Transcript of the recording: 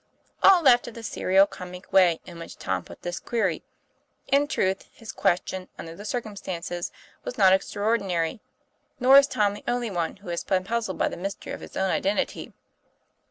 All laughed at the serio comic way in which Tom put this query. In truth, his question, under the circumstances, was not extraordinary; nor is Tom the only one who has been puzzled by the mystery of his own identity.